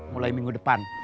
mulai minggu depan